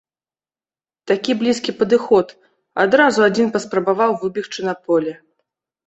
Такі блізкі падыход, адразу адзін паспрабаваў выбегчы на поле.